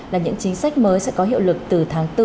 là những chính sách mới sẽ có hiệu lực từ tháng bốn